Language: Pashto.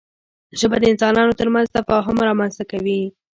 ژبه د انسانانو ترمنځ تفاهم رامنځته کوي